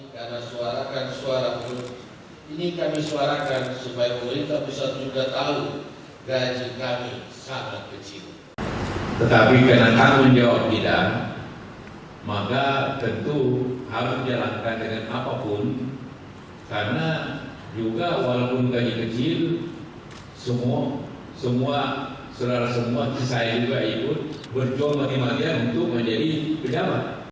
karena juga walaupun gaji kecil semua semua seluruh semua saya juga ikut berjualan kematian untuk menjadi pedagang